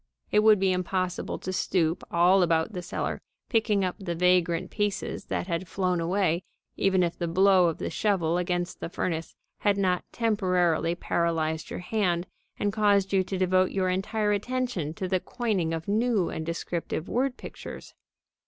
It would be impossible to stoop all about the cellar picking up the vagrant pieces that had flown away, even if the blow of the shovel against the furnace had not temporarily paralyzed your hand and caused you to devote your entire attention to the coining of new and descriptive word pictures.